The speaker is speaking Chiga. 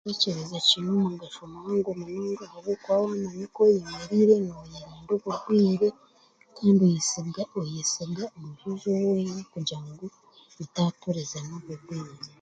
Okwekyebeza kiine omugasho muhango namunonga waamanya oku oyemereire nooyerinda obugwire kandi oyesigs oyesiga omushaija ou oine kugira mutaaturizana oburwaire